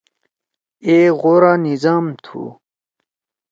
اے غورا نظام تُھو۔